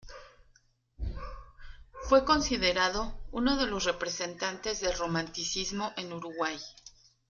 Fue considerado uno de los representantes del romanticismo en Uruguay.